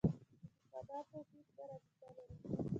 اعتقاداتو ټینګه رابطه لري.